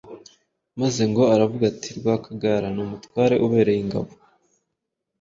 maze ngo aravuga ati: “Rwakagara ni umutware ubereye ingabo